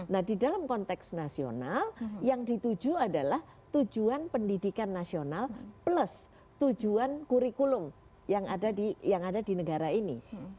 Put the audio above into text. nah di dalam konteks nasional yang dituju adalah tujuan pendidikan nasional plus tujuan kurikulum yang ada di negara ini